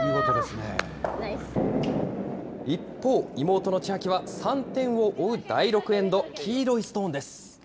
一方、妹の千秋は３点を追う第６エンド、黄色いストーンです。